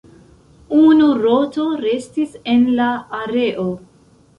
Unu roto restis en la areo.